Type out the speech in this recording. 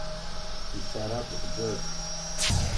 He sat up with a jerk.